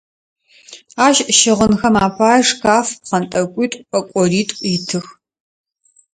Ащ щыгъынхэм апае шкаф, пкъэнтӏэкӏуитӏу, пӏэкӏоритӏу итых.